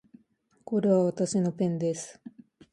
これはわたしのペンです